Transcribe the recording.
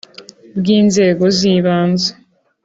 bw’inzego z’ibanze